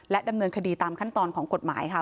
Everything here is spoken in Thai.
ดำเนินคดีตามขั้นตอนของกฎหมายค่ะ